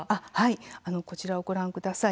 こちらをご覧ください。